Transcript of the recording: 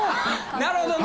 なるほどね